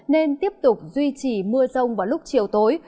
nên tiếp tục duy trì mưa rông vào lúc chiều tối